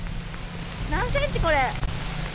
何センチこれ？